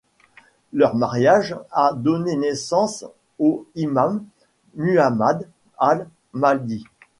Leur mariage a donné naissance au imam, Muhammad al-Mahdi.